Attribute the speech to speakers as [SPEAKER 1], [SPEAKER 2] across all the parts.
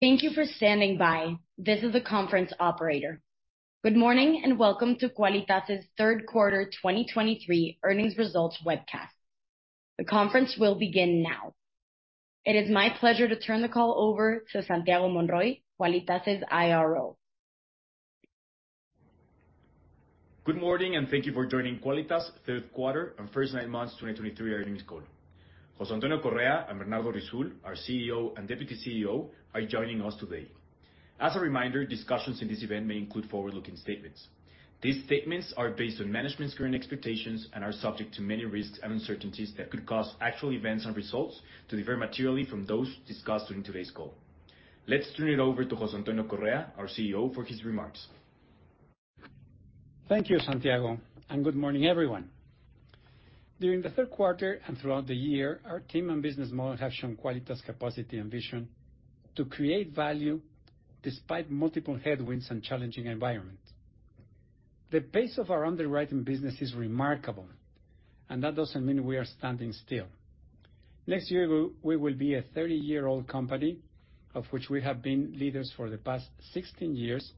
[SPEAKER 1] Thank you for standing by. This is the conference operator. Good morning, and welcome to Quálitas' Third Quarter 2023 Earnings Results webcast. The conference will begin now. It is my pleasure to turn the call over to Santiago Monroy, Quálitas's IRO.
[SPEAKER 2] Good morning, and thank you for joining Quálitas' Third Quarter and First Nine Months 2023 Earnings Call. José Antonio Correa and Bernardo Risoul, our CEO and Deputy CEO, are joining us today. As a reminder, discussions in this event may include forward-looking statements. These statements are based on management's current expectations and are subject to many risks and uncertainties that could cause actual events and results to differ materially from those discussed during today's call. Let's turn it over to José Antonio Correa, our CEO, for his remarks.
[SPEAKER 3] Thank you, Santiago, and good morning, everyone. During the third quarter and throughout the year, our team and business model have shown Quálitas' capacity and vision to create value despite multiple headwinds and challenging environment. The pace of our underwriting business is remarkable, and that doesn't mean we are standing still. Next year, we will be a 30-year-old company, of which we have been leaders for the past 16 years,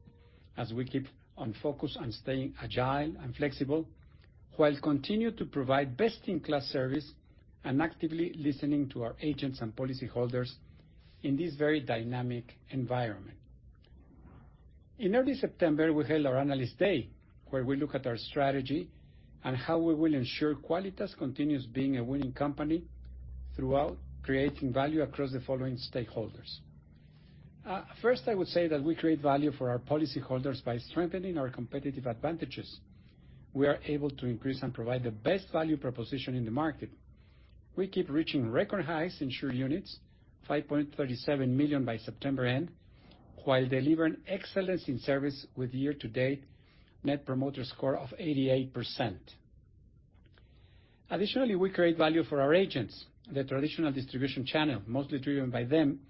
[SPEAKER 3] as we keep on focus on staying agile and flexible, while continue to provide best-in-class service and actively listening to our agents and policyholders in this very dynamic environment. In early September, we held our Analyst Day, where we look at our strategy and how we will ensure Quálitas continues being a winning company throughout creating value across the following stakeholders. First, I would say that we create value for our policyholders by strengthening our competitive advantages. We are able to increase and provide the best value proposition in the market. We keep reaching record highs in shared units, 5.37 million by September end, while delivering excellence in service with year-to-date net promoter score of 88%. Additionally, we create value for our agents. The traditional distribution channel, mostly driven by them,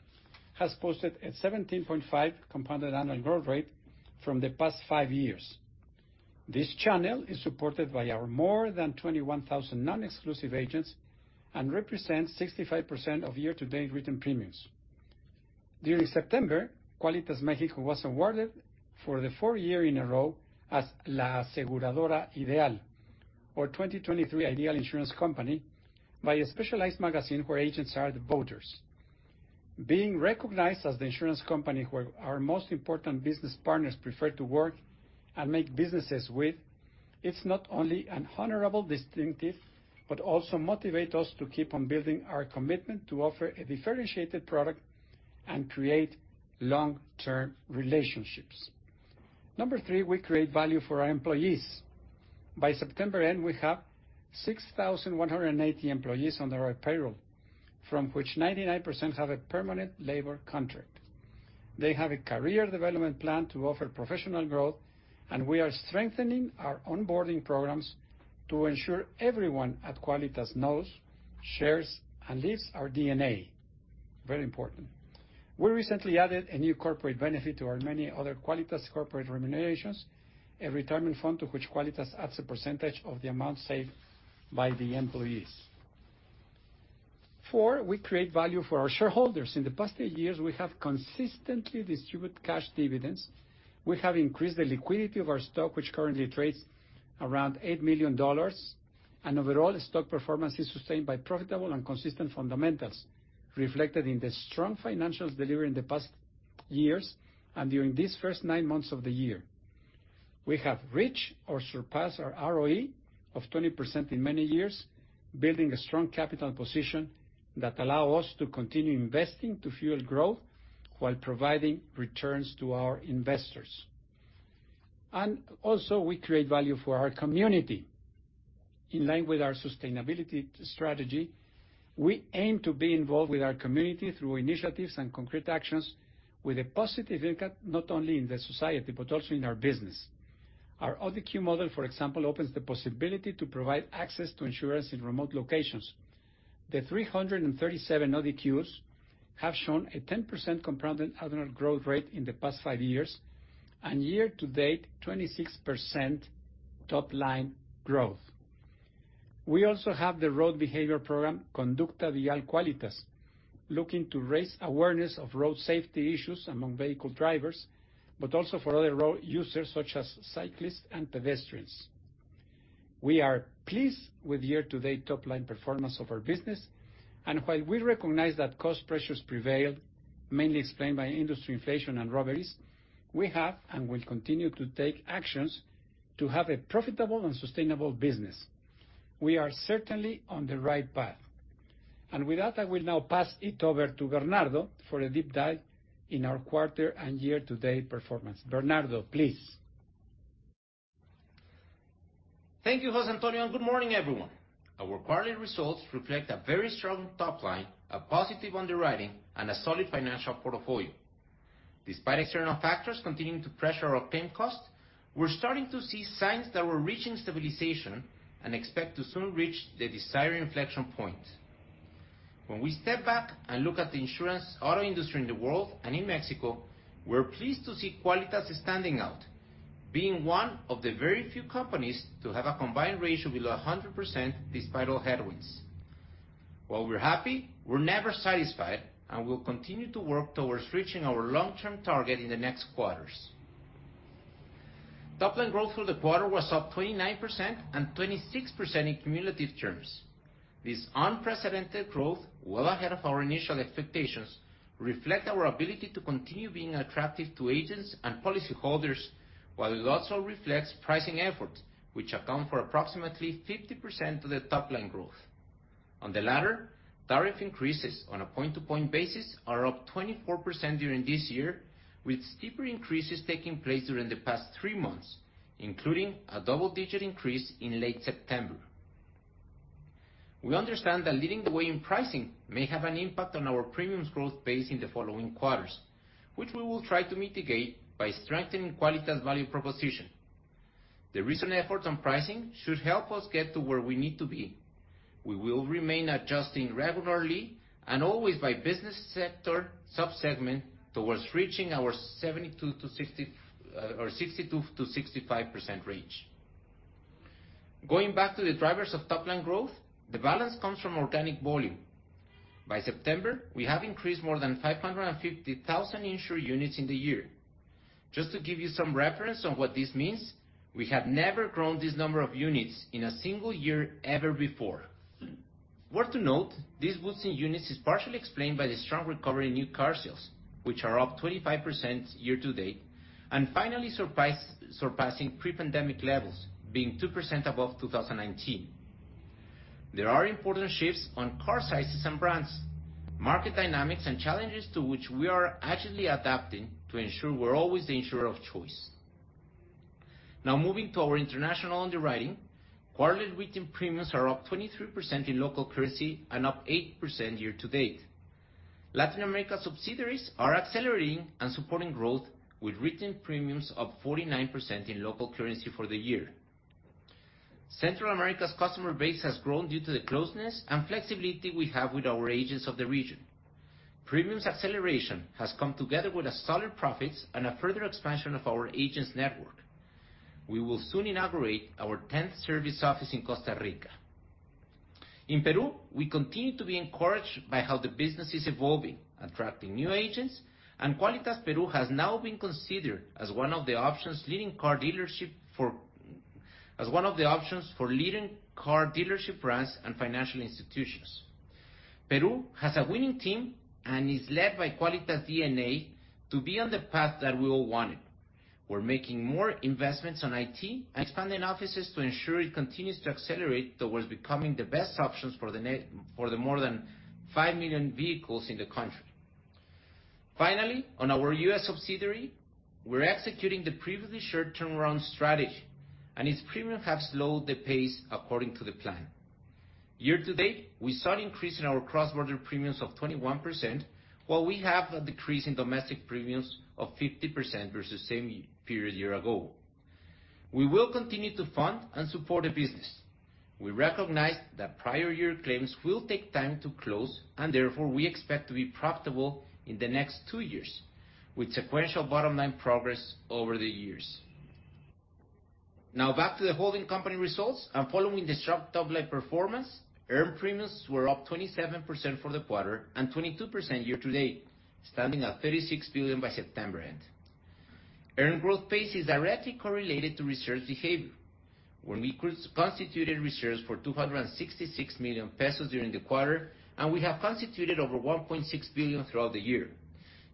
[SPEAKER 3] has posted a 17.5% compounded annual growth rate from the past five years. This channel is supported by our more than 21,000 non-exclusive agents and represents 65% of year-to-date written premiums. During September, Quálitas Mexico was awarded for the fourth year in a row as La Aseguradora Ideal or 2023 Ideal Insurance Company, by a specialized magazine where agents are the voters. Being recognized as the insurance company where our most important business partners prefer to work and make businesses with, it's not only an honorable distinctive, but also motivate us to keep on building our commitment to offer a differentiated product and create long-term relationships. Number three, we create value for our employees. By September end, we have 6,180 employees on the right payroll, from which 99% have a permanent labor contract. They have a career development plan to offer professional growth, and we are strengthening our onboarding programs to ensure everyone at Quálitas knows, shares, and lives our DNA, very important. We recently added a new corporate benefit to our many other Quálitas corporate remunerations, a retirement fund to which Quálitas adds a percentage of the amount saved by the employees. Four, we create value for our shareholders. In the past 8 years, we have consistently distributed cash dividends. We have increased the liquidity of our stock, which currently trades around $8 million. Overall, the stock performance is sustained by profitable and consistent fundamentals, reflected in the strong financials delivered in the past years and during these first 9 months of the year. We have reached or surpassed our ROE of 20% in many years, building a strong capital position that allow us to continue investing to fuel growth while providing returns to our investors and also we create value for our community. In line with our sustainability strategy, we aim to be involved with our community through initiatives and concrete actions with a positive impact, not only in the society, but also in our business. Our ODQ model, for example, opens the possibility to provide access to insurance in remote locations. The 337 ODQs have shown a 10% compounded annual growth rate in the past five years, and year to date, 26% top-line growth. We also have the Road Behavior Program, Conducta Vial Quálitas, looking to raise awareness of road safety issues among vehicle drivers, but also for other road users, such as cyclists and pedestrians. We are pleased with year-to-date top-line performance of our business, and while we recognize that cost pressures prevail, mainly explained by industry inflation and robberies, we have and will continue to take actions to have a profitable and sustainable business. We are certainly on the right path. And with that, I will now pass it over to Bernardo for a deep dive in our quarter and year-to-date performance. Bernardo, please.
[SPEAKER 4] Thank you, José Antonio, and good morning, everyone. Our quarterly results reflect a very strong top line, a positive underwriting, and a solid financial portfolio. Despite external factors continuing to pressure our claim costs, we're starting to see signs that we're reaching stabilization and expect to soon reach the desired inflection point. When we step back and look at the insurance auto industry in the world and in Mexico, we're pleased to see Quálitas standing out, being one of the very few companies to have a combined ratio below 100% despite all headwinds…. While we're happy, we're never satisfied, and we'll continue to work towards reaching our long-term target in the next quarters. Top-line growth for the quarter was up 29% and 26% in cumulative terms. This unprecedented growth, well ahead of our initial expectations, reflect our ability to continue being attractive to agents and policyholders, while it also reflects pricing efforts, which account for approximately 50% of the top-line growth. On the latter, tariff increases on a point-to-point basis are up 24% during this year, with steeper increases taking place during the past 3 months, including a double-digit increase in late September. We understand that leading the way in pricing may have an impact on our premiums growth base in the following quarters, which we will try to mitigate by strengthening Quálitas' value proposition. The recent efforts on pricing should help us get to where we need to be. We will remain adjusting regularly and always by business sector sub-segment, towards reaching our 72 to 60-- or 62%-65% range. Going back to the drivers of top-line growth, the balance comes from organic volume. By September, we have increased more than 550,000 insured units in the year. Just to give you some reference on what this means, we have never grown this number of units in a single year ever before. Worth to note, this boost in units is partially explained by the strong recovery in new car sales, which are up 25% year to date, and, finally surprise, surpassing pre-pandemic levels, being 2% above 2019. There are important shifts on car sizes and brands, market dynamics, and challenges to which we are agilely adapting to ensure we're always the insurer of choice. Now, moving to our international underwriting, quarterly written premiums are up 23% in local currency and up 8% year to date. Latin America subsidiaries are accelerating and supporting growth with written premiums of 49% in local currency for the year. Central America's customer base has grown due to the closeness and flexibility we have with our agents of the region. Premiums acceleration has come together with a solid profits and a further expansion of our agents' network. We will soon inaugurate our tenth service office in Costa Rica. In Peru, we continue to be encouraged by how the business is evolving, attracting new agents, and Quálitas Perú has now been considered as one of the options for leading car dealership brands and financial institutions. Peru has a winning team and is led by Quálitas DNA to be on the path that we all want it. We're making more investments on IT and expanding offices to ensure it continues to accelerate towards becoming the best options for the for the more than 5 million vehicles in the country. Finally, on our U.S. subsidiary, we're executing the previously shared turn-around strategy, and its premiums have slowed the pace according to the plan. Year to date, we saw an increase in our cross-border premiums of 21%, while we have a decrease in domestic premiums of 50% versus same period year ago. We will continue to fund and support the business. We recognize that prior year claims will take time to close, and therefore, we expect to be profitable in the next 2 years, with sequential bottom-line progress over the years. Now, back to the holding company results, and following the sharp top-line performance, earned premiums were up 27% for the quarter and 22% year to date, standing at 36 billion by September end. Earned growth pace is directly correlated to reserve behavior, when we constituted reserves for 266 million pesos during the quarter, and we have constituted over 1.6 billion throughout the year.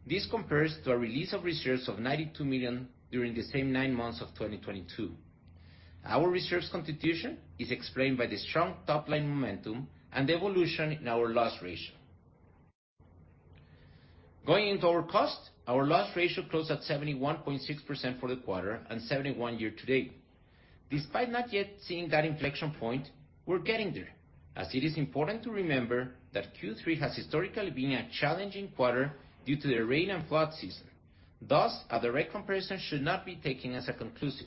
[SPEAKER 4] This compares to a release of reserves of 92 million during the same nine months of 2022. Our reserves constitution is explained by the strong top-line momentum and the evolution in our loss ratio. Going into our cost, our loss ratio closed at 71.6% for the quarter and 71% year to date. Despite not yet seeing that inflection point, we're getting there, as it is important to remember that Q3 has historically been a challenging quarter due to the rain and flood season. Thus, a direct comparison should not be taken as a conclusive.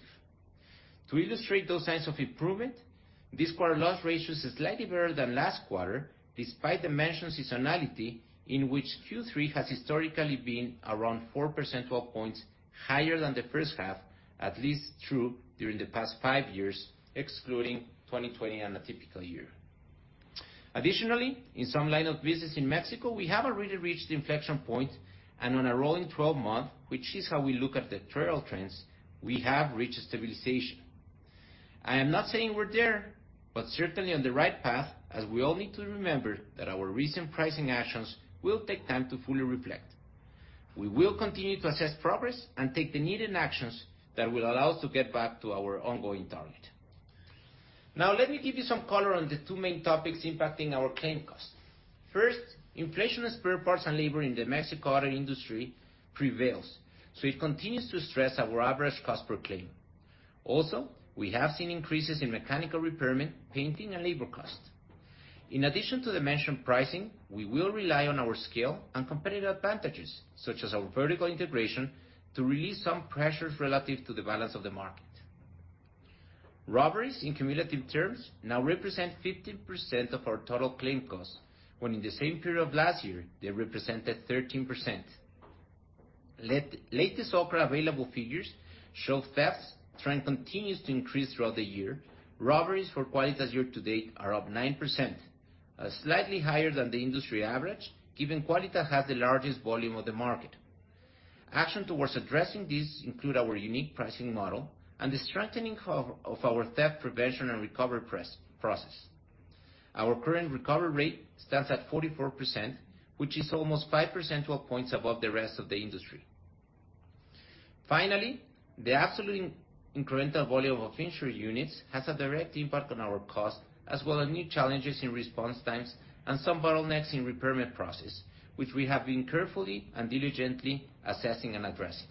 [SPEAKER 4] To illustrate those signs of improvement, this quarter loss ratio is slightly better than last quarter, despite the mentioned seasonality, in which Q3 has historically been around 4%, 12 points higher than the first half, at least during the past 5 years, excluding 2020, an atypical year. Additionally, in some line of business in Mexico, we have already reached inflection point, and on a rolling 12-month, which is how we look at the trailing trends, we have reached a stabilization. I am not saying we're there, but certainly on the right path, as we all need to remember that our recent pricing actions will take time to fully reflect. We will continue to assess progress and take the needed actions that will allow us to get back to our ongoing target. Now, let me give you some color on the two main topics impacting our claim cost. First, inflation of spare parts and labor in the Mexico auto industry prevails, so it continues to stress our average cost per claim. Also, we have seen increases in mechanical repairs, painting, and labor costs. In addition to the mentioned pricing, we will rely on our scale and competitive advantages, such as our vertical integration, to release some pressures relative to the balance of the market. Robberies in cumulative terms now represent 15% of our total claim cost, when in the same period of last year, they represented 13%. The latest OCRA available figures show thefts trend continues to increase throughout the year. Robberies for Quálitas year-to-date are up 9%, slightly higher than the industry average, given Quálitas has the largest volume of the market. Action towards addressing this include our unique pricing model and the strengthening of our theft prevention and recovery process. Our current recovery rate stands at 44%, which is almost five percentage points above the rest of the industry. Finally, the absolute incremental volume of insured units has a direct impact on our cost, as well as new challenges in response times and some bottlenecks in repair process, which we have been carefully and diligently assessing and addressing.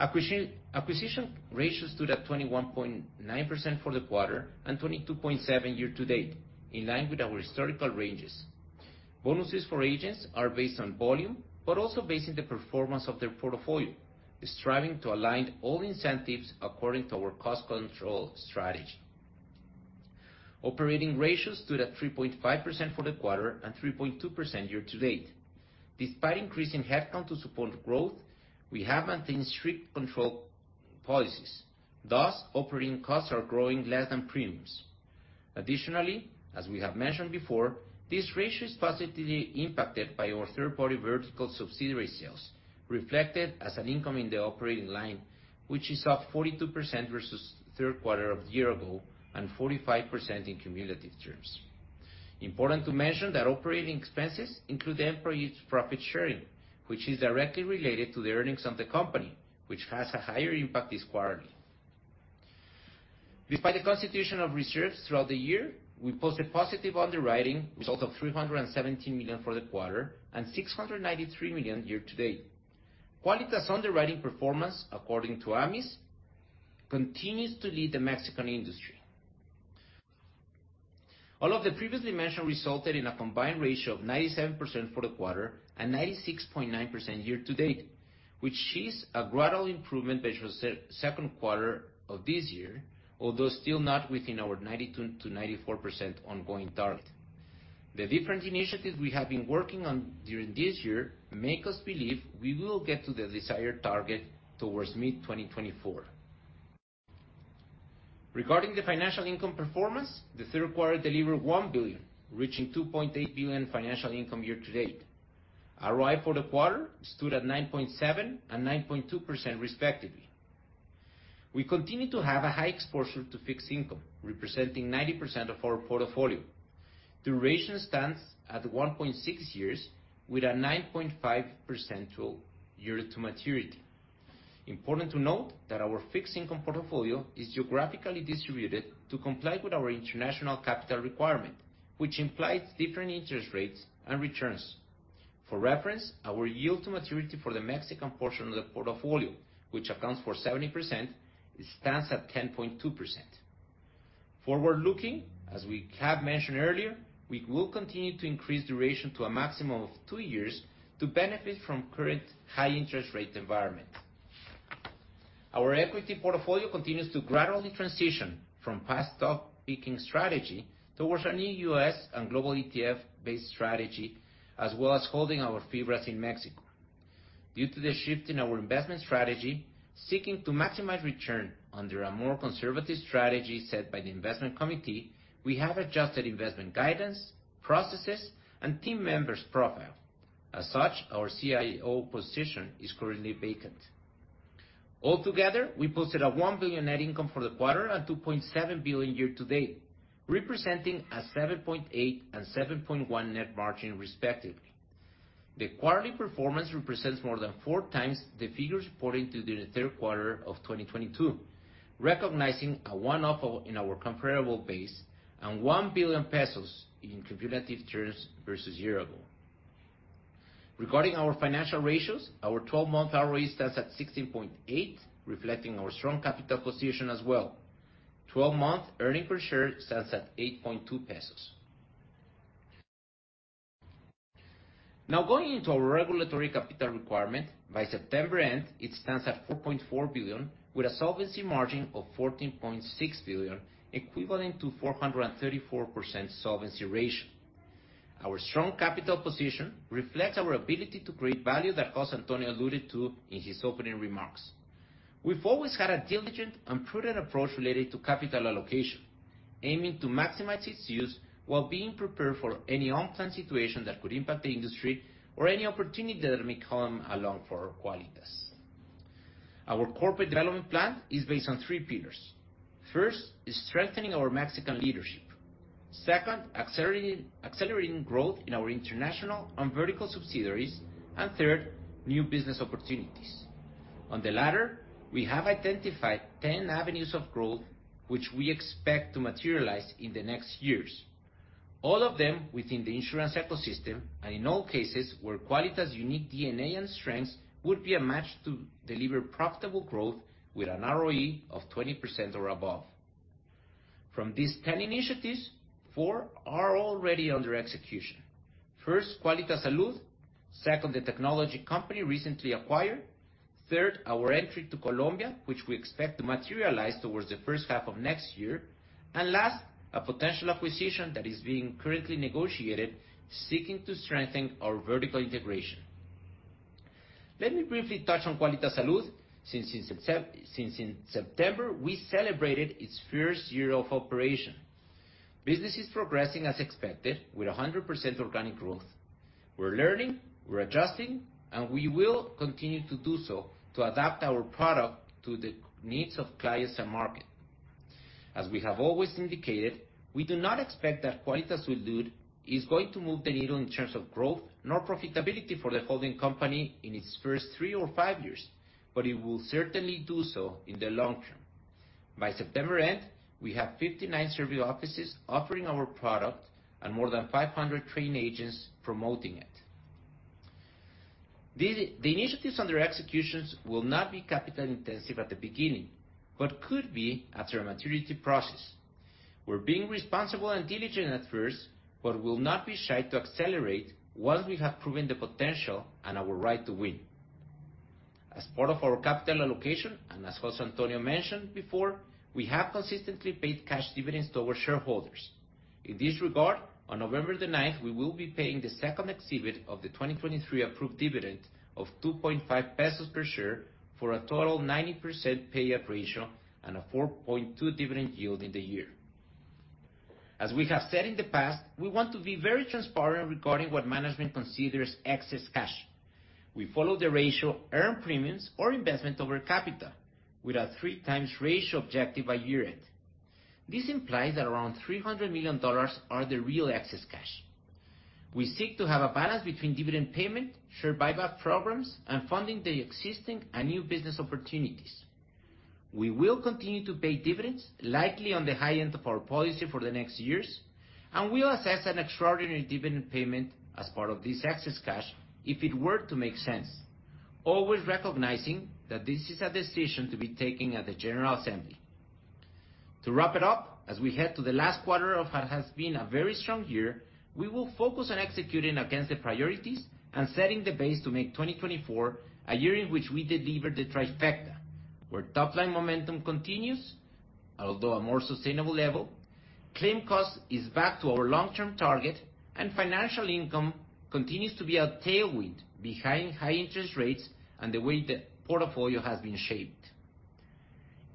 [SPEAKER 4] Acquisition, acquisition ratio stood at 21.9% for the quarter, and 22.7% year-to-date, in line with our historical ranges. Bonuses for agents are based on volume, but also based on the performance of their portfolio, striving to align all incentives according to our cost control strategy. Operating ratios stood at 3.5% for the quarter and 3.2% year-to-date. Despite increasing headcount to support growth, we have maintained strict control policies, thus, operating costs are growing less than premiums. Additionally, as we have mentioned before, this ratio is positively impacted by our third-party vertical subsidiary sales, reflected as an income in the operating line, which is up 42% versus the third quarter of the year ago, and 45% in cumulative terms. Important to mention that operating expenses include the employees' profit sharing, which is directly related to the earnings of the company, which has a higher impact this quarterly. Despite the constitution of reserves throughout the year, we posted positive underwriting results of 317 million for the quarter and 693 million year-to-date. Quálitas' underwriting performance, according to AMIS, continues to lead the Mexican industry. All of the previously mentioned resulted in a combined ratio of 97% for the quarter and 96.9% year-to-date, which is a gradual improvement versus the second quarter of this year, although still not within our 92%-94% ongoing target. The different initiatives we have been working on during this year make us believe we will get to the desired target towards mid-2024. Regarding the financial income performance, the third quarter delivered 1 billion, reaching 2.8 billion financial income year-to-date. ROI for the quarter stood at 9.7% and 9.2%, respectively. We continue to have a high exposure to fixed income, representing 90% of our portfolio. Duration stands at 1.6 years, with a 9.5% yield to maturity. Important to note that our fixed income portfolio is geographically distributed to comply with our international capital requirement, which implies different interest rates and returns. For reference, our Yield to Maturity for the Mexican portion of the portfolio, which accounts for 70%, it stands at 10.2%. Forward-looking, as we have mentioned earlier, we will continue to increase duration to a maximum of 2 years to benefit from current high interest rate environment. Our equity portfolio continues to gradually transition from past top peaking strategy towards a new U.S. and global ETF-based strategy, as well as holding our FIBRAs in Mexico. Due to the shift in our investment strategy, seeking to maximize return under a more conservative strategy set by the investment committee, we have adjusted investment guidance, processes, and team members' profile. As such, our CIO position is currently vacant. Altogether, we posted a 1 billion net income for the quarter and 2.7 billion year-to-date, representing a 7.8% and 7.1% net margin, respectively. The quarterly performance represents more than 4 times the figures reported during the third quarter of 2022, recognizing a one-off in our comparable base and 1 billion pesos in cumulative terms versus year ago. Regarding our financial ratios, our 12-month ROE stands at 16.8, reflecting our strong capital position as well. 12-month earnings per share stands at 8.2 pesos. Now, going into our regulatory capital requirement, by September end, it stands at 4.4 billion, with a solvency margin of 14.6 billion, equivalent to 434% solvency ratio. Our strong capital position reflects our ability to create value that José Antonio alluded to in his opening remarks. We've always had a diligent and prudent approach related to capital allocation, aiming to maximize its use while being prepared for any unplanned situation that could impact the industry or any opportunity that may come along for Quálitas. Our corporate development plan is based on three pillars. First, is strengthening our Mexican leadership. Second, accelerating growth in our international and vertical subsidiaries, and third, new business opportunities. On the latter, we have identified 10 avenues of growth, which we expect to materialize in the next years. All of them within the insurance ecosystem, and in all cases, where Quálitas' unique DNA and strengths would be a match to deliver profitable growth with an ROE of 20% or above. From these 10 initiatives, 4 are already under execution. First, Quálitas Salud, second, the technology company recently acquired.... Third, our entry to Colombia, which we expect to materialize towards the first half of next year. And last, a potential acquisition that is being currently negotiated, seeking to strengthen our vertical integration. Let me briefly touch on Quálitas Salud, since in September, we celebrated its first year of operation. Business is progressing as expected, with 100% organic growth. We're learning, we're adjusting, and we will continue to do so to adapt our product to the needs of clients and market. As we have always indicated, we do not expect that Quálitas Salud is going to move the needle in terms of growth nor profitability for the holding company in its first three or five years, but it will certainly do so in the long term. By September end, we have 59 service offices offering our product and more than 500 trained agents promoting it. The initiatives under executions will not be capital intensive at the beginning, but could be after a maturity process. We're being responsible and diligent at first, but will not be shy to accelerate once we have proven the potential and our right to win. As part of our capital allocation, and as José Antonio mentioned before, we have consistently paid cash dividends to our shareholders. In this regard, on November 9th, we will be paying the second exhibit of the 2023 approved dividend of 2.5 pesos per share for a total 90% payout ratio and a 4.2% dividend yield in the year. As we have said in the past, we want to be very transparent regarding what management considers excess cash. We follow the ratio, earned premiums or investment over capital, with a 3x ratio objective by year-end. This implies that around $300 million are the real excess cash. We seek to have a balance between dividend payment, share buyback programs, and funding the existing and new business opportunities. We will continue to pay dividends, likely on the high end of our policy for the next years, and we'll assess an extraordinary dividend payment as part of this excess cash if it were to make sense, always recognizing that this is a decision to be taken at the general assembly. To wrap it up, as we head to the last quarter of what has been a very strong year, we will focus on executing against the priorities and setting the base to make 2024 a year in which we deliver the trifecta, where top line momentum continues, although a more sustainable level, claim cost is back to our long-term target, and financial income continues to be a tailwind behind high interest rates and the way the portfolio has been shaped.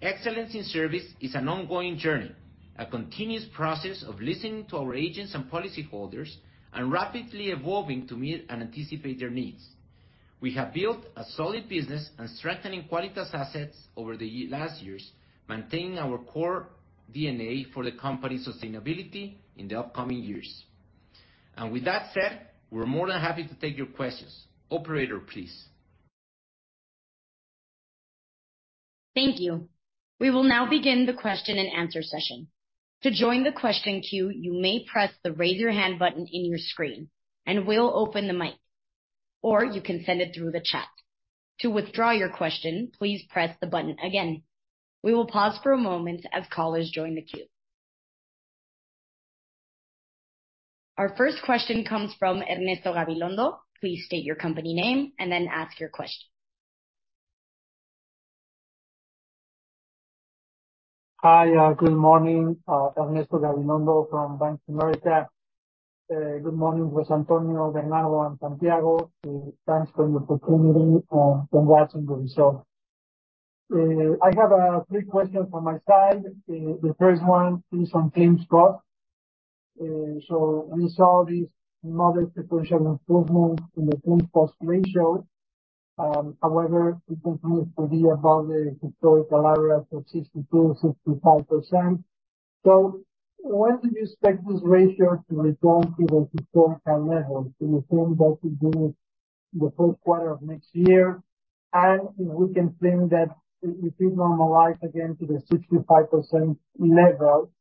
[SPEAKER 4] Excellence in service is an ongoing journey, a continuous process of listening to our agents and policyholders, and rapidly evolving to meet and anticipate their needs. We have built a solid business and strengthening Quálitas assets over the last years, maintaining our core DNA for the company's sustainability in the upcoming years. And with that said, we're more than happy to take your questions. Operator, please.
[SPEAKER 1] Thank you. We will now begin the question and answer session. To join the question queue, you may press the Raise Your Hand button on your screen, and we'll open the mic, or you can send it through the chat. To withdraw your question, please press the button again. We will pause for a moment as callers join the queue. Our first question comes from Ernesto Gabilondo. Please state your company name and then ask your question.
[SPEAKER 5] Hi, good morning, Ernesto Gabilondo from Bank of America. Good morning, José Antonio, Bernardo, and Santiago. Thanks for the opportunity, and congrats on the results. I have three questions on my side. The first one is on claims cost. So we saw this modest sequential improvement in the claims cost ratio. However, it continues to be above the historical area of 62%-65%. So when do you expect this ratio to return to the historical level? Do you think that will be the fourth quarter of next year? And if we can claim that, if it normalize again to the 65% level,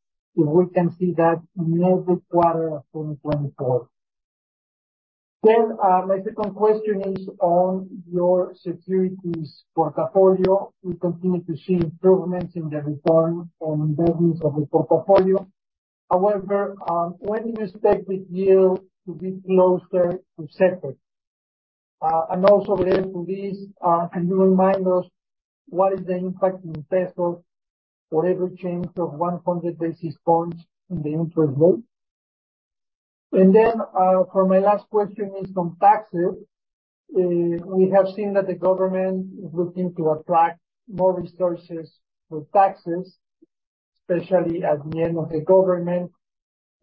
[SPEAKER 5] if we can see that in every quarter of 2024. Then, my second question is on your securities portfolio. We continue to see improvements in the return and values of the portfolio. However, when do you expect the yield to be closer to sector? And also related to this, can you remind us what is the impact in peso for every change of 100 basis points in the interest rate? And then, for my last question is on taxes. We have seen that the government is looking to attract more resources for taxes, especially at the end of the government.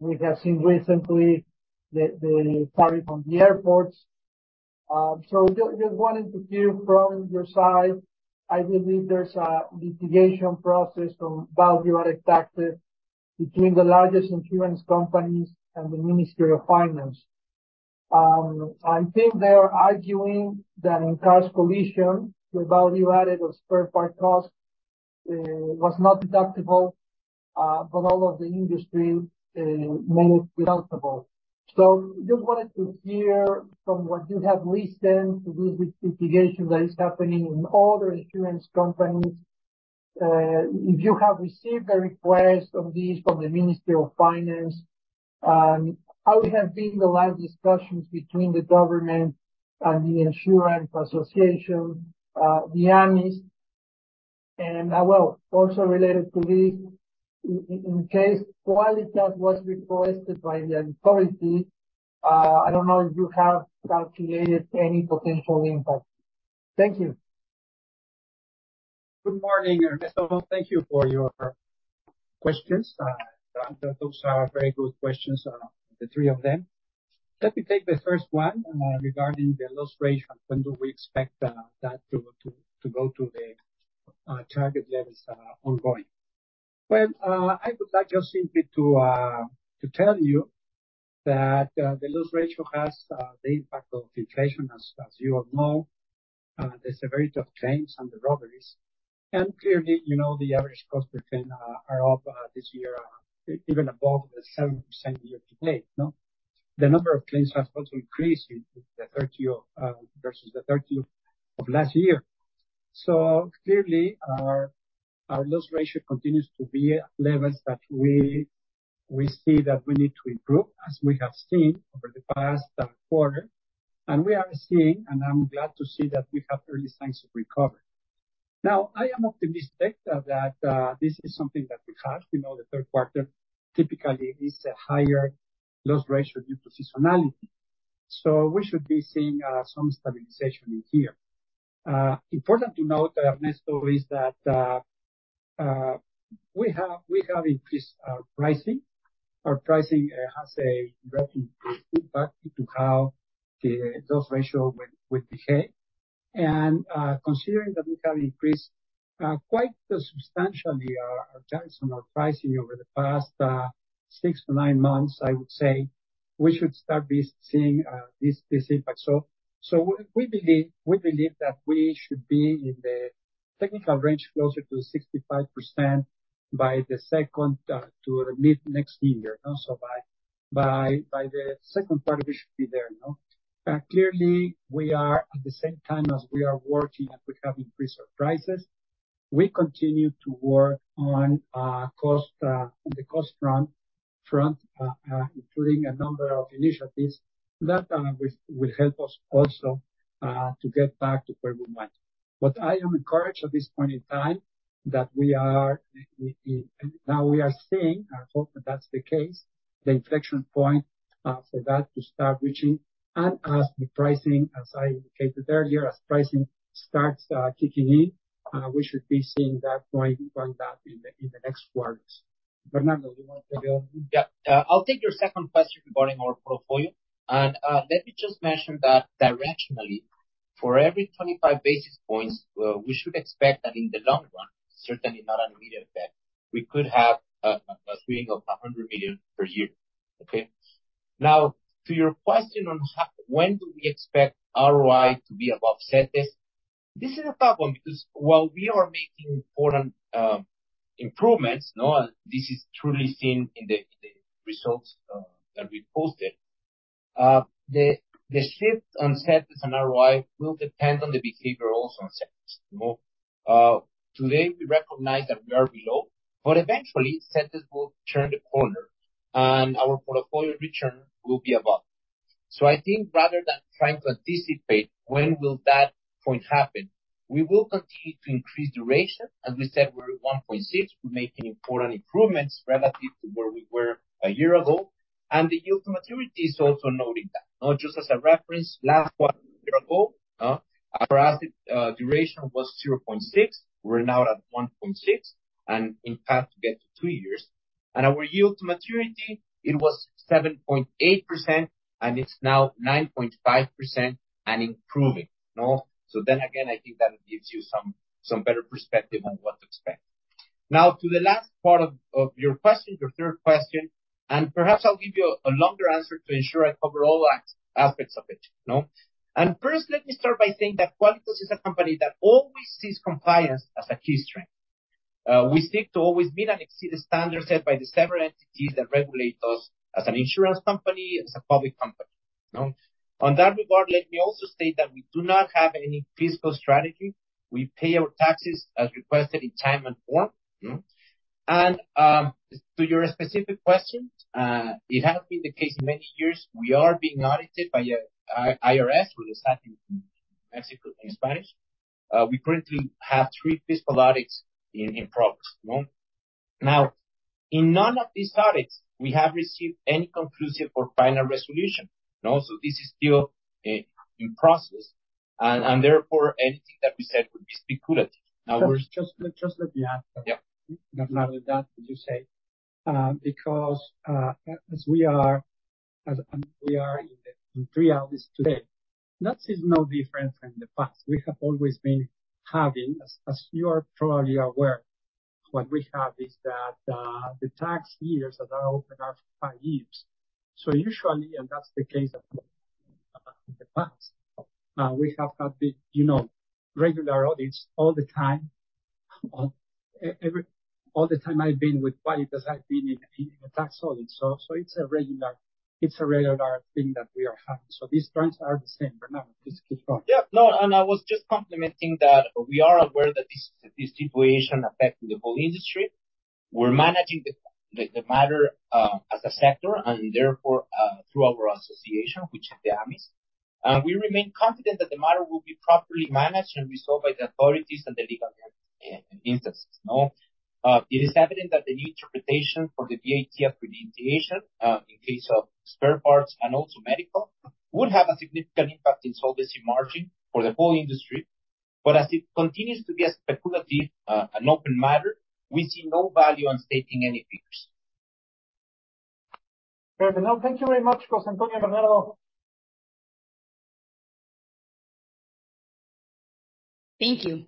[SPEAKER 5] We have seen recently the tariff on the airports. So just, just wanted to hear from your side. I believe there's a litigation process from value-added taxes between the largest insurance companies and the Ministry of Finance. I think they are arguing that in tax coalition, the value added of third-party cost was not deductible, but all of the industry made it deductible. So, just wanted to hear from what you have listened to this litigation that is happening in other insurance companies. If you have received a request of this from the Ministry of Finance, and how has been the live discussions between the government and the Insurance Association, the AMIS? And, well, also related to this, in case Quálitas was requested by the authority, I don't know if you have calculated any potential impact. Thank you.
[SPEAKER 3] Good morning, Ernesto. Thank you for your questions. Those are very good questions, the three of them. Let me take the first one, regarding the loss ratio, and when do we expect that to go to the target levels ongoing? Well, I would like just simply to tell you that the loss ratio has the impact of inflation, as you all know, the severity of claims and the robberies and clearly, you know, the average cost per claim are up this year, even above the 7% year to date, no? The number of claims has also increased in the third quarter versus the third quarter of last year. So clearly, our loss ratio continues to be at levels that we see that we need to improve, as we have seen over the past quarter. And we are seeing, and I'm glad to see, that we have early signs of recovery. Now, I am optimistic that this is something that we have. We know the third quarter typically is a higher loss ratio due to seasonality, so we should be seeing some stabilization in here. Important to note, Ernesto, is that we have increased our pricing. Our pricing has a direct impact into how the loss ratio will behave. And considering that we have increased quite substantially our pricing over the past six to nine months, I would say, we should start seeing this specific factor. So we believe that we should be in the technical range closer to 65% by the second to mid next year, you know? So by the second part, we should be there, you know? Clearly, we are at the same time as we are working and we have increased our prices, we continue to work on the cost front, including a number of initiatives that will help us also to get back to where we want. But I am encouraged at this point in time that we are now seeing, I hope that's the case, the inflection point for that to start reaching. As the pricing, as I indicated earlier, as pricing starts kicking in, we should be seeing that point going back in the next quarters. Bernando, you want to go?
[SPEAKER 4] Yeah. I'll take your second question regarding our portfolio. And let me just mention that directionally, for every 25 basis points, we should expect that in the long run, certainly not an immediate effect, we could have a swing of 100 million per year. Okay? Now, to your question on when do we expect ROI to be above CETES? This is a tough one, because while we are making important improvements, and this is truly seen in the results that we posted. The shift on CETES and ROI will depend on the behavior also on CETES, no? Today, we recognize that we are below, but eventually, CETES will turn the corner and our portfolio return will be above. So I think rather than trying to anticipate when will that point happen, we will continue to increase duration. As we said, we're at 1.6. We're making important improvements relative to where we were a year ago, and the yield to maturity is also noting that. Now, just as a reference, last one, a year ago, our asset duration was 0.6. We're now at 1.6, and in path to get to 2 years. And our yield to maturity, it was 7.8%, and it's now 9.5% and improving, no? So then again, I think that gives you some better perspective on what to expect. Now, to the last part of your question, your third question, and perhaps I'll give you a longer answer to ensure I cover all aspects of it, no? First, let me start by saying that Quálitas is a company that always sees compliance as a key strength. We seek to always meet and exceed the standards set by the several entities that regulate us as an insurance company, as a public company, no? On that regard, let me also state that we do not have any fiscal strategy. We pay our taxes as requested in time and form, no? And, to your specific question, it has been the case many years, we are being audited by IRS, with the in Mexico, in Spanish. We currently have three fiscal audits in progress, no? Now, in none of these audits, we have received any conclusive or final resolution, no? So this is still in process, and therefore, anything that we said would be speculative. Now we're-
[SPEAKER 3] Just let me add.
[SPEAKER 4] Yeah.
[SPEAKER 3] Now, with that, would you say, because as we are, as we are in the third hour today, that is no different than the past. We have always been having, as you are probably aware, what we have is that the tax years that are open are five years. So usually, and that's the case in the past, we have had the, you know, regular audits all the time. All the time I've been with Quálitas, I've been in a tax audit. So it's a regular, it's a regular thing that we are having. So these trends are the same, Bernardo. Please keep going.
[SPEAKER 4] Yeah, no, and I was just commenting that we are aware that this situation affecting the whole industry. We're managing the matter as a sector, and therefore, through our association, which is the AMIS. We remain confident that the matter will be properly managed and resolved by the authorities and the legal instances, no? It is evident that the new interpretation for the VAT accreditation in case of spare parts and also medical would have a significant impact in solvency margin for the whole industry. But as it continues to be a speculative, an open matter, we see no value on stating any figures.
[SPEAKER 5] Fair enough. Thank you very much, José Antonio and Bernardo.
[SPEAKER 1] Thank you.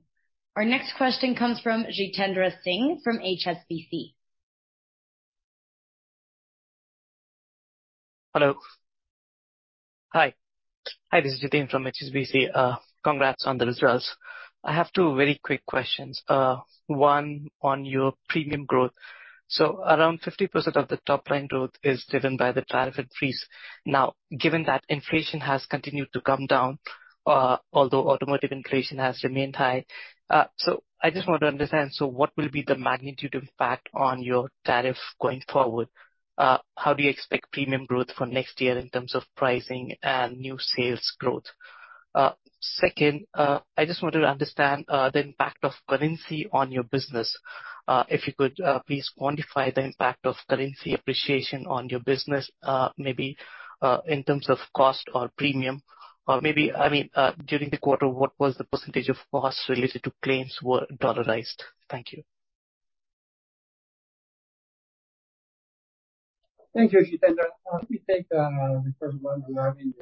[SPEAKER 1] Our next question comes from Jitendra Singh from HSBC.
[SPEAKER 6] Hello. Hi, hi, this is Jitendra from HSBC. Congrats on the results. I have two very quick questions. One on your premium growth. So around 50% of the top line growth is driven by the tariff increase. Now, given that inflation has continued to come down, although automotive inflation has remained high, so I just want to understand, so what will be the magnitude impact on your tariff going forward? How do you expect premium growth for next year in terms of pricing and new sales growth? Second, I just wanted to understand, the impact of currency on your business. If you could, please quantify the impact of currency appreciation on your business, maybe, in terms of cost or premium, or maybe—I mean, during the quarter, what was the percentage of costs related to claims were dollarized? Thank you.
[SPEAKER 3] Thank you, Jitendra. Let me take the first one regarding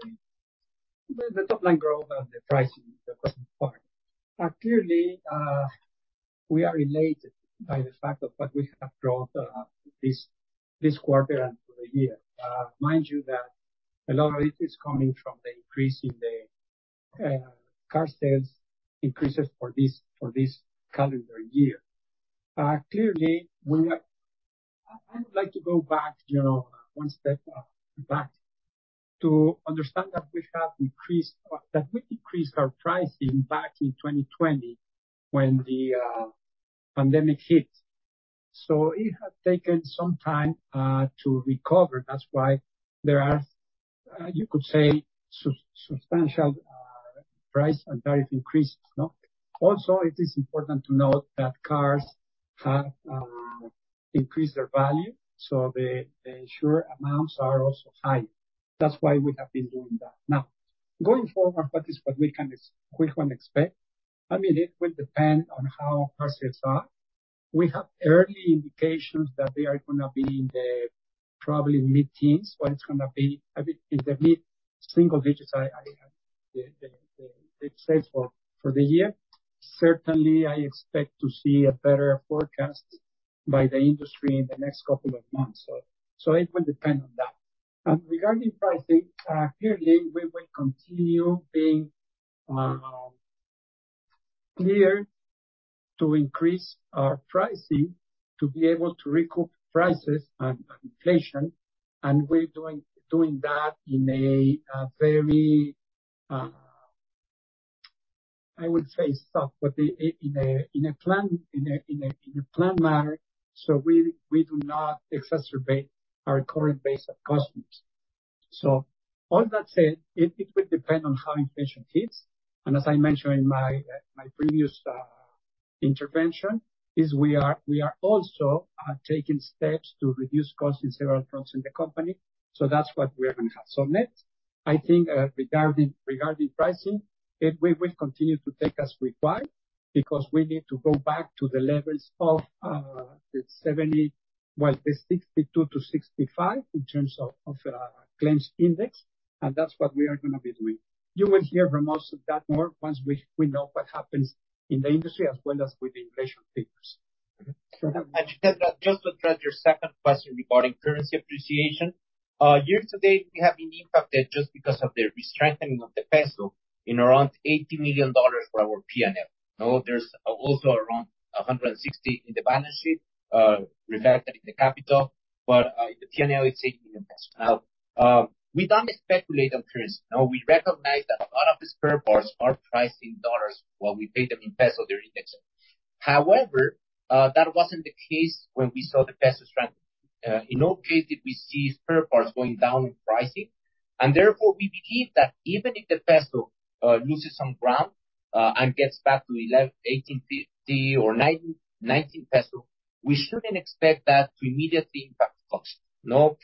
[SPEAKER 3] the top line growth and the pricing, the first part. Clearly, we are elated by the fact of what we have brought this quarter and for the year. Mind you, that a lot of it is coming from the increase in the car sales increases for this calendar year. Clearly, we have... I would like to go back, you know, one step back, to understand that we have increased, that we decreased our pricing back in 2020, when the pandemic hit. So it has taken some time to recover. That's why there are, you could say, substantial price and tariff increases, no? Also, it is important to note that cars have increased their value, so the insured amounts are also high. That's why we have been doing that. Now, going forward, what we can expect, I mean, it will depend on how car sales are. We have early indications that they are gonna be in the probably mid-teens, but it's gonna be, I mean, in the mid-single digits. I have the say for the year. Certainly, I expect to see a better forecast by the industry in the next couple of months. So it will depend on that. And regarding pricing, clearly, we will continue being clear to increase our pricing to be able to recoup prices and inflation. And we're doing that in a very, I would say soft, but in a planned manner, so we do not exacerbate our current base of customers. So all that said, it will depend on how inflation hits. And as I mentioned in my previous intervention, we are also taking steps to reduce costs in several fronts in the company. So that's what we are gonna have. So next, I think, regarding pricing, we will continue to take as required, because we need to go back to the levels of the 70, well, the 62%-65%, in terms of claims index, and that's what we are gonna be doing. You will hear from us of that more once we know what happens in the industry, as well as with the inflation figures.
[SPEAKER 4] Mm-hmm. And just to address your second question regarding currency appreciation. Year to date, we have been impacted just because of the restrengthening of the peso in around $80 million for our PNL. Now, there's also around 160 in the balance sheet, reflected in the capital, but, the PNL is 80 million pesos. Now, we don't speculate on currency. Now, we recognize that a lot of the spare parts are priced in dollars, while we pay them in peso, they're indexed. However, that wasn't the case when we saw the peso strengthen. In no case did we see spare parts going down in pricing, and therefore, we believe that even if the peso, loses some ground, and gets back to 18.50 or 19, 19 peso, we shouldn't expect that to immediately impact costs, no?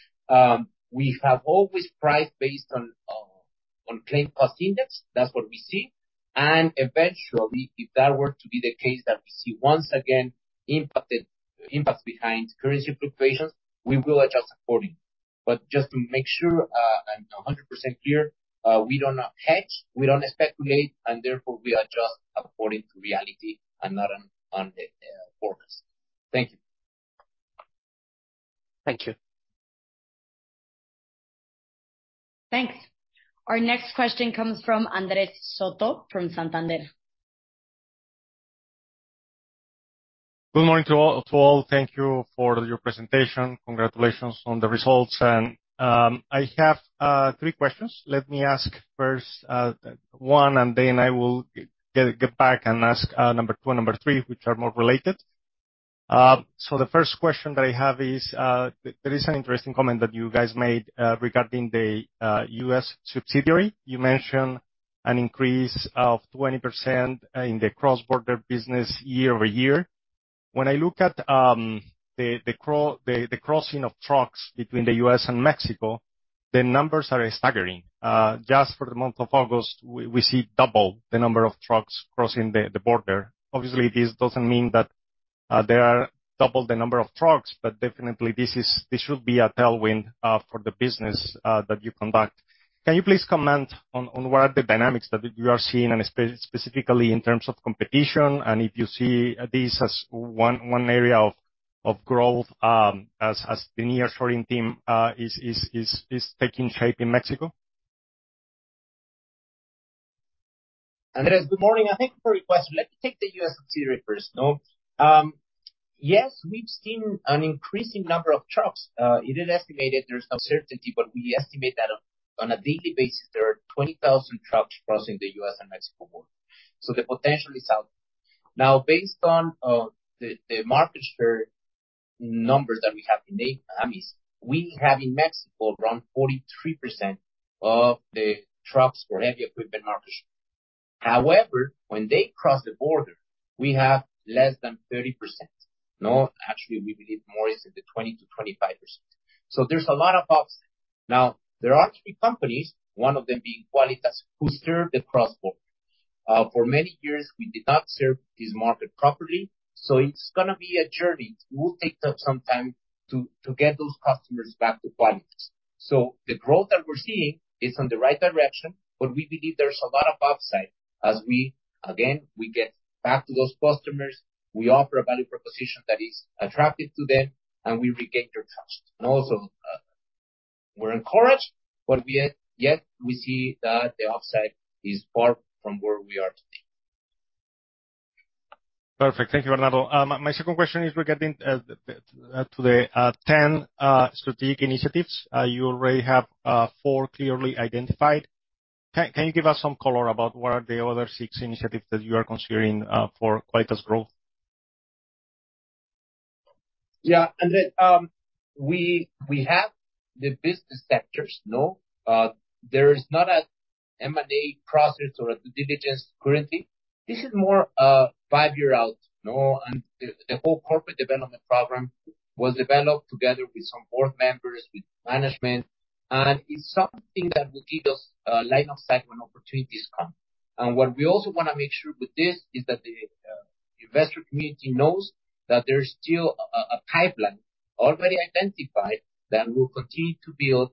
[SPEAKER 4] We have always priced based on claim cost index. That's what we see. And eventually, if that were to be the case, that we see once again, impact behind currency fluctuations, we will adjust accordingly. But just to make sure, and 100% clear, we do not hedge, we don't speculate, and therefore we adjust according to reality and not on the forecast. Thank you.
[SPEAKER 6] Thank you.
[SPEAKER 1] Thanks. Our next question comes fromAndrés Soto from Santander.
[SPEAKER 7] Good morning to all, to all. Thank you for your presentation. Congratulations on the results, and I have three questions. Let me ask first one, and then I will get back and ask number two and number three, which are more related. So the first question that I have is, there is an interesting comment that you guys made regarding the U.S. subsidiary. You mentioned an increase of 20% in the cross-border business year-over-year. When I look at the crossing of trucks between the U.S. and Mexico, the numbers are staggering. Just for the month of August, we see double the number of trucks crossing the border. Obviously, this doesn't mean that there are double the number of trucks, but definitely this should be a tailwind for the business that you conduct. Can you please comment on what are the dynamics that you are seeing, and specifically in terms of competition, and if you see this as one area of growth, as the nearshoring team is taking shape in Mexico?
[SPEAKER 4] Andrés, good morning, and thank you for your question. Let me take the U.S. subsidiary first, no? Yes, we've seen an increasing number of trucks. It is estimated, there's uncertainty, but we estimate that on a daily basis, there are 20,000 trucks crossing the U.S.-Mexico border. So the potential is out. Now, based on the market share numbers that we have in AMIS, we have in Mexico around 43% of the trucks for heavy equipment market share. However, when they cross the border, we have less than 30%. No, actually, we believe more is in the 20%-25%. So there's a lot of upside. Now, there are three companies, one of them being Qualitas, who serve the cross-border. For many years, we did not serve this market properly, so it's gonna be a journey. It will take some time to get those customers back to Quálitas. So the growth that we're seeing is on the right direction, but we believe there's a lot of upside as we, again, we get back to those customers, we offer a value proposition that is attractive to them, and we regain their trust. And also, we're encouraged, but yet we see that the upside is far from where we are today.
[SPEAKER 7] Perfect. Thank you, Bernardo. My second question is regarding the 10 strategic initiatives. You already have 4 clearly identified. Can you give us some color about what are the other 6 initiatives that you are considering for Quálitas growth?
[SPEAKER 4] Yeah, and then, we have the business sectors, no? There is not a M&A process or a due diligence currently. This is more a five-year out, no? And the whole corporate development program was developed together with some board members, with management, and it's something that will give us a line of sight when opportunities come. And what we also wanna make sure with this is that the investor community knows that there's still a pipeline already identified that will continue to build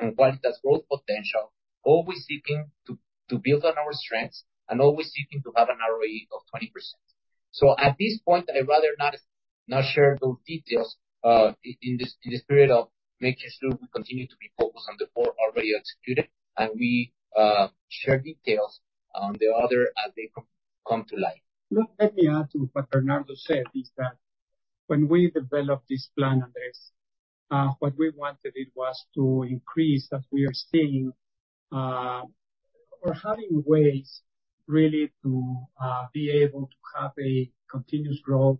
[SPEAKER 4] on Quálitas' growth potential, always seeking to build on our strengths and always seeking to have an ROE of 20%. So at this point, I'd rather not, not share those details, in the spirit of making sure we continue to be focused on the four already executed, and we share details on the other as they come to light.
[SPEAKER 3] Look, let me add to what Bernardo said, is that when we developed this plan, Andrés, what we wanted it was to increase, as we are seeing, or having ways really to be able to have a continuous growth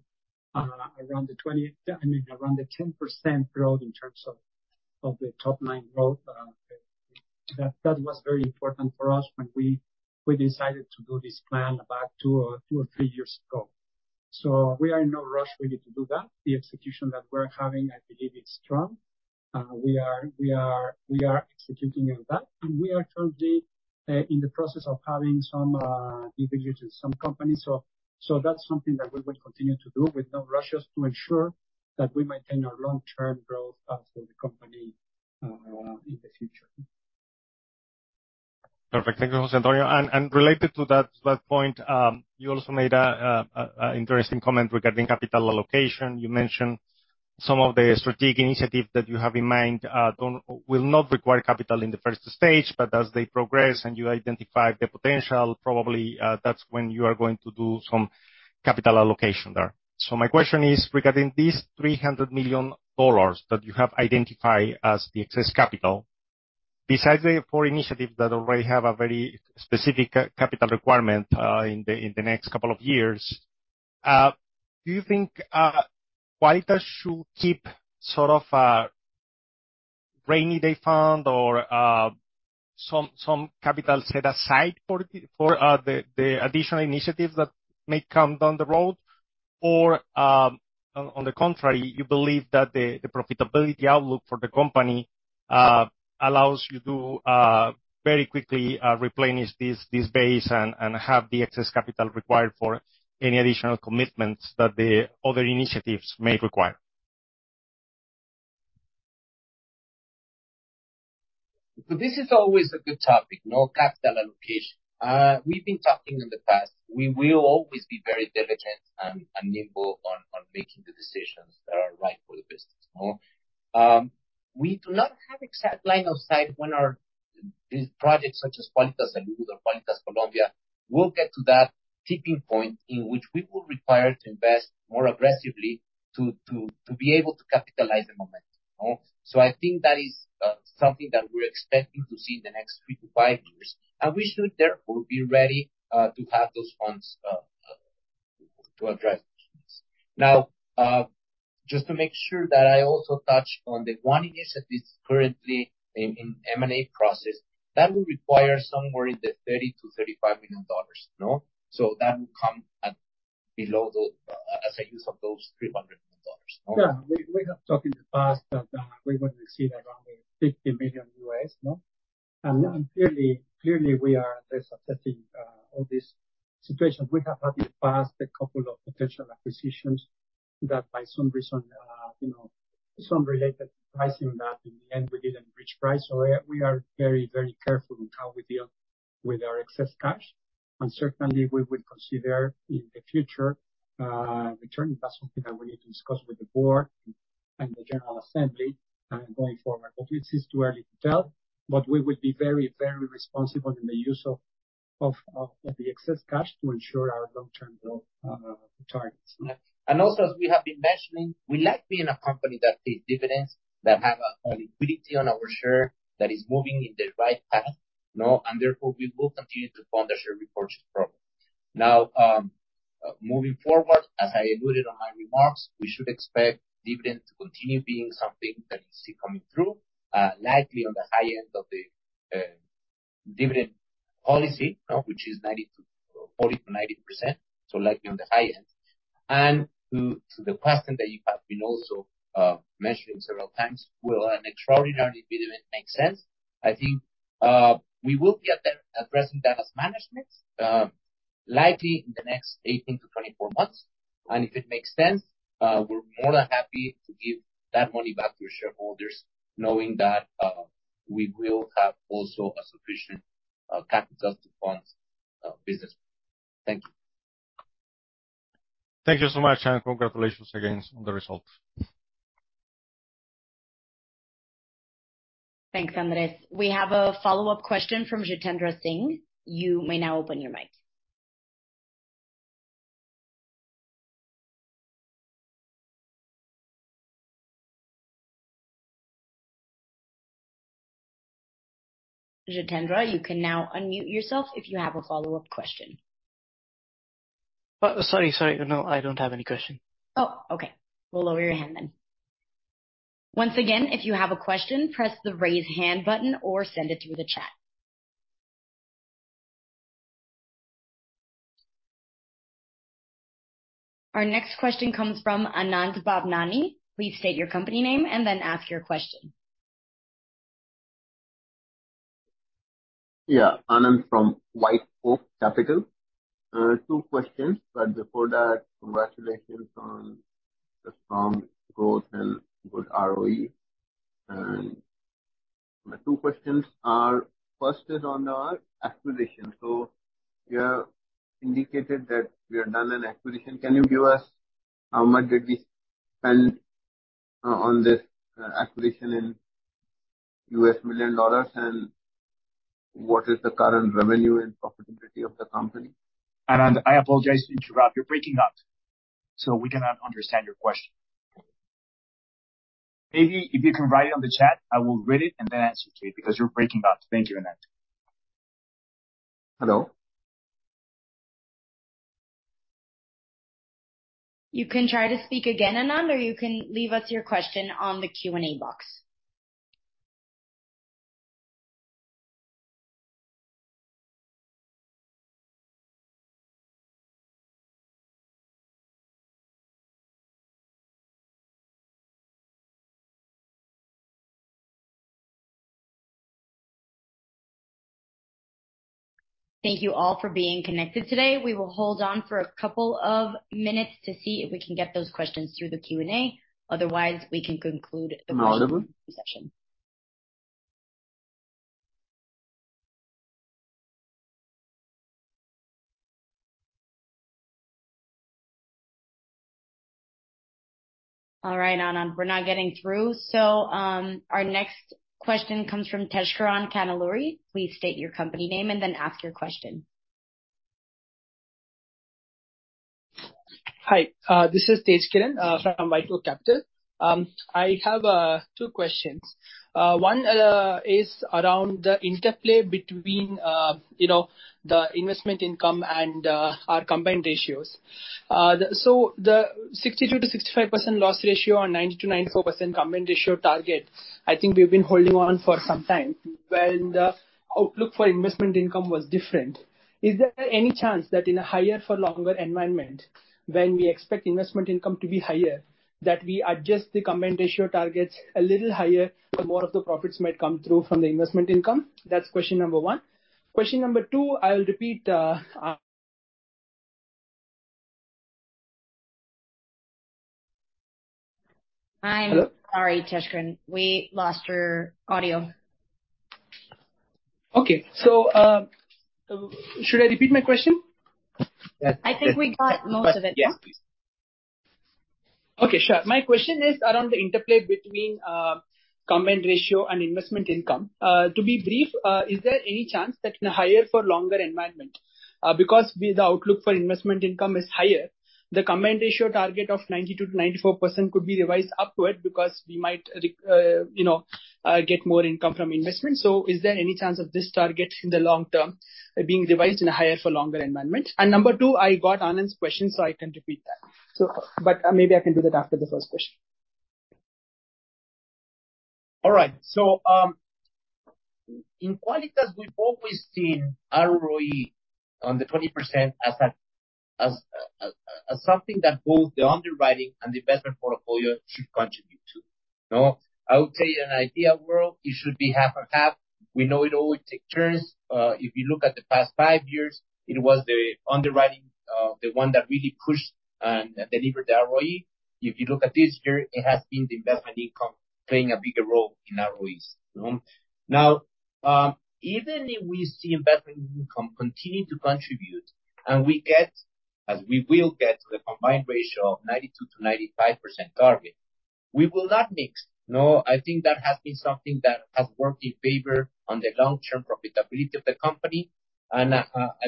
[SPEAKER 3] around the 20, I mean, around the 10% growth in terms of the top line growth. That was very important for us when we decided to do this plan about two or three years ago. So we are in no rush. We need to do that. The execution that we're having, I believe, is strong. We are executing on that, and we are currently in the process of having some due diligence, some companies. So that's something that we will continue to do with no rushes, to ensure that we maintain our long-term growth for the company in the future.
[SPEAKER 7] Perfect. Thank you, José Antonio. Related to that point, you also made an interesting comment regarding capital allocation. You mentioned some of the strategic initiatives that you have in mind will not require capital in the first stage, but as they progress and you identify the potential, probably that's when you are going to do some capital allocation there. So my question is regarding these $300 million that you have identified as the excess capital. Besides the four initiatives that already have a very specific capital requirement in the next couple of years, do you think Quálitas should keep sort of a rainy day fund or some capital set aside for the additional initiatives that may come down the road? Or, on the contrary, you believe that the profitability outlook for the company allows you to very quickly replenish this base and have the excess capital required for any additional commitments that the other initiatives may require?
[SPEAKER 4] So this is always a good topic, no? Capital allocation. We've been talking in the past. We will always be very diligent and nimble on making the decisions that are right for the business, no? We do not have exact line of sight when our these projects, such as Quálitas El Salvador, Quálitas Colombia, will get to that tipping point in which we will require to invest more aggressively to be able to capitalize the momentum, no? So I think that is something that we're expecting to see in the next three to five years, and we should therefore be ready to have those funds to address this. Now, just to make sure that I also touch on the one initiative that is currently in M&A process, that will require somewhere in the $30 million-$35 million, no? So that will come at below the, as a use of those $300 million. Yeah, we have talked in the past that we would receive around $50 million, no? And clearly, clearly, we are assessing all these situations. We have had in the past a couple of potential acquisitions that by some reason, you know, some related pricing, that in the end we didn't reach price. So we are very, very careful on how we deal with our excess cash. And certainly we will consider in the future, returning. That's something that we need to discuss with the board and the general assembly, going forward. But it is too early to tell, but we would be very, very responsible in the use of the excess cash to ensure our long-term targets. And also, as we have been mentioning, we like being a company that pays dividends, that have a liquidity on our share, that is moving in the right path, no? And therefore we will continue to fund the share repurchase program. Now, moving forward, as I alluded on my remarks, we should expect dividend to continue being something that you see coming through, likely on the high end of the dividend policy, no? Which is 40%-90%, so likely on the high end. And to the question that you have been also mentioning several times, will an extraordinary dividend make sense? I think we will be at them addressing that as management, likely in the next 18-24 months. If it makes sense, we're more than happy to give that money back to our shareholders, knowing that we will have also a sufficient capital to fund business. Thank you.
[SPEAKER 7] Thank you so much, and congratulations again on the results.
[SPEAKER 1] Thanks, Andrés. We have a follow-up question from Jitendra Singh. You may now open your mic. Jitendra, you can now unmute yourself if you have a follow-up question.
[SPEAKER 6] Sorry, sorry. No, I don't have any question.
[SPEAKER 1] Oh, okay. We'll lower your hand then. Once again, if you have a question, press the Raise Hand button or send it through the chat. Our next question comes from Anand Bhavnani. Please state your company name and then ask your question.
[SPEAKER 8] Yeah. Anand from WhiteOak Capital. Two questions, but before that, congratulations on the strong growth and good ROE. And my two questions are: First is on the acquisition. So you have indicated that we have done an acquisition. Can you give us how much did we spend on this acquisition in U.S. million dollars? And what is the current revenue and profitability of the company?
[SPEAKER 4] Anand, I apologize to interrupt. You're breaking up, so we cannot understand your question. Maybe if you can write it on the chat, I will read it and then answer to you, because you're breaking up. Thank you, Anand.
[SPEAKER 8] Hello?
[SPEAKER 1] You can try to speak again, Anand, or you can leave us your question on the Q&A box. Thank you all for being connected today. We will hold on for a couple of minutes to see if we can get those questions through the Q&A; otherwise, we can conclude the-
[SPEAKER 8] Am I audible?
[SPEAKER 1] All right, Anand, we're not getting through. So, our next question comes from Tejkiran Kannaluri. Please state your company name and then ask your question.
[SPEAKER 9] Hi, this is Tejkiran from WhiteOak Capital. I have two questions. One is around the interplay between, you know, the investment income and our combined ratios. So the 62%-65% loss ratio and 90%-94% combined ratio target, I think we've been holding on for some time, when the outlook for investment income was different. Is there any chance that in a higher for longer environment, when we expect investment income to be higher, that we adjust the combined ratio targets a little higher, so more of the profits might come through from the investment income? That's question number one. Question number two, I'll repeat, Hello?
[SPEAKER 1] Sorry, Tejkiran, we lost your audio.
[SPEAKER 9] Okay, so, should I repeat my question?
[SPEAKER 4] Yeah.
[SPEAKER 1] I think we got most of it.
[SPEAKER 4] Yeah, please.
[SPEAKER 9] Okay, sure. My question is around the interplay between combined ratio and investment income. To be brief, is there any chance that in a higher for longer environment, because the outlook for investment income is higher, the combined ratio target of 92%-94% could be revised upward because we might, you know, get more income from investment. So is there any chance of this target in the long term being revised in a higher for longer environment? And number 2, I got Anand's question, so I can repeat that. So, but, maybe I can do that after the first question.
[SPEAKER 4] All right. So, in Quálitas, we've always seen ROE on the 20% as something that both the underwriting and investment portfolio should contribute to. No? I would tell you in an ideal world, it should be half and half. We know it always takes turns. If you look at the past five years, it was the underwriting, the one that really pushed and delivered the ROE. If you look at this year, it has been the investment income playing a bigger role in ROEs. No? Now, even if we see investment income continue to contribute, and we get, as we will get, to the combined ratio of 92%-95% target, we will not mix. No, I think that has been something that has worked in favor on the long-term profitability of the company. I've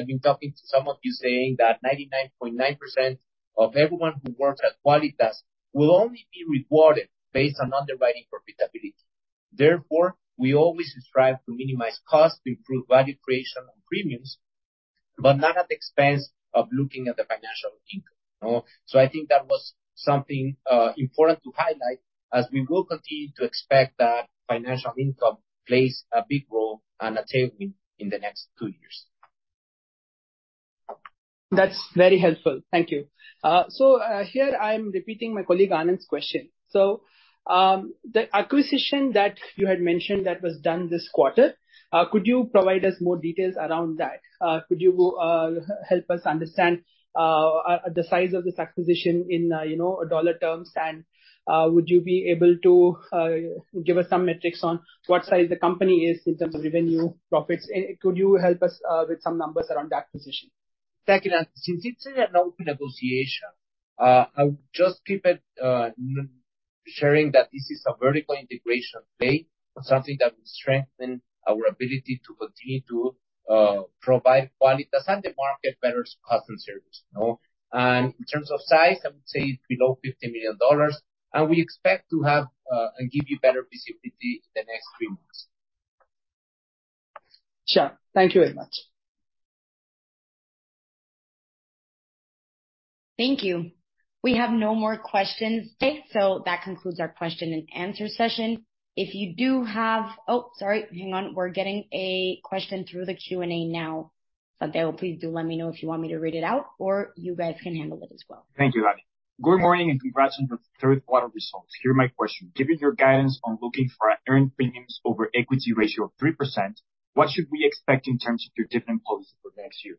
[SPEAKER 4] been talking to some of you saying that 99.9% of everyone who works at Quálitas will only be rewarded based on underwriting profitability. Therefore, we always strive to minimize costs to improve value creation on premiums, but not at the expense of looking at the financial income. No? I think that was something important to highlight, as we will continue to expect that financial income plays a big role and attainment in the next two years.
[SPEAKER 9] That's very helpful. Thank you. So, here I'm repeating my colleague, Anand's question. So, the acquisition that you had mentioned that was done this quarter, could you provide us more details around that? Could you help us understand the size of this acquisition in, you know, dollar terms? And, would you be able to give us some metrics on what size the company is in terms of revenue, profits, and could you help us with some numbers around the acquisition?
[SPEAKER 4] Thank you. Since it's an open negotiation, I would just keep it sharing that this is a vertical integration play, something that will strengthen our ability to continue to provide Quálitas and the market better customer service, you know? And in terms of size, I would say below $50 million, and we expect to have and give you better visibility in the next three months.
[SPEAKER 9] Sure. Thank you very much.
[SPEAKER 1] Thank you. We have no more questions, so that concludes our question and answer session. If you do have... Oh, sorry, hang on, we're getting a question through the Q&A now. Santiago, please do let me know if you want me to read it out, or you guys can handle it as well.
[SPEAKER 2] Thank you, Abby. Good morning, and congrats on your third quarter results. Here's my question: Given your guidance on looking for an earned premiums over equity ratio of 3%, what should we expect in terms of your dividend policy for next year?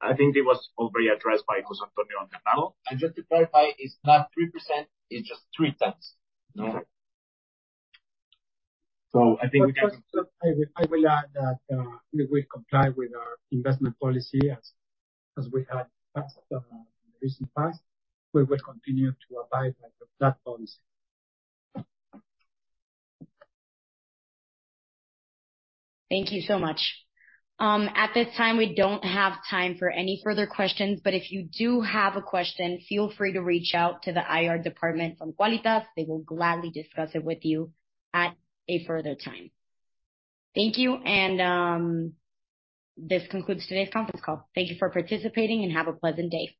[SPEAKER 4] I think it was already addressed by José Antonio on the panel. Just to clarify, it's not 3%, it's just 3 times. No. So I think we- I would, I will add that, we will comply with our investment policy as, as we had passed, in the recent past. We will continue to abide by the platforms.
[SPEAKER 1] Thank you so much. At this time, we don't have time for any further questions, but if you do have a question, feel free to reach out to the IR department from Quálitas. They will gladly discuss it with you at a further time. Thank you, and this concludes today's conference call. Thank you for participating, and have a pleasant day.